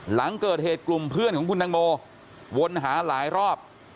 หลังเกิดเหตุกลุ่มเพื่อนของคุณตังโมวนหาหลายรอบ